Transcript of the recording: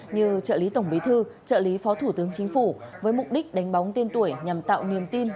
như trợ lý tổng bí thư trợ lý phó thủ tướng chính phủ với mục đích đánh bóng tiên tuổi nhằm tạo niềm tin